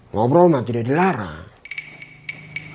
ngobrol mah tidak dilarang